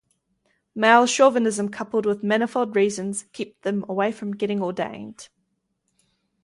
Male chauvinism coupled with manifold reasons kept them away from getting ordained.